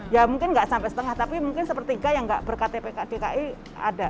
ya mungkin nggak sampai setengah tapi mungkin sepertiga yang nggak berktp dki ada